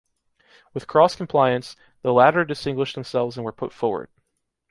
With cross-compliance, the latter distinguished themselves and were put forward.